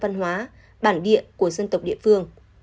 văn hóa bản địa của dân tộc địa phương